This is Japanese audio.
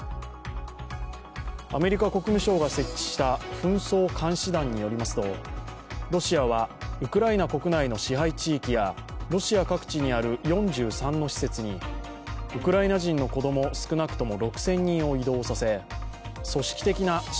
アメリカ国務省が設置した紛争監視団によりますとロシアはウクライナ国内の支配地域やロシア各地にある４３の施設にウクライナ人の子供少なくとも６０００人を移動させ組織的な親